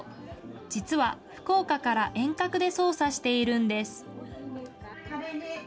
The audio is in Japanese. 実は福岡から遠隔で操作しているんです。